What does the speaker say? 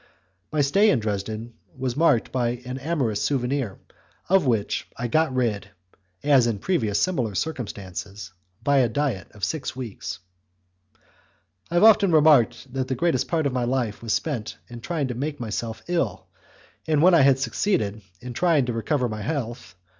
My stay in Dresden was marked by an amorous souvenir of which I got rid, as in previous similar circumstances, by a diet of six weeks. I have often remarked that the greatest part of my life was spent in trying to make myself ill, and when I had succeeded, in trying to recover my health.